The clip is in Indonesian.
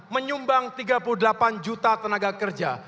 menyumbang tiga puluh delapan juta tenaga kerja